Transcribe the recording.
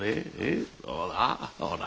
ほらほら。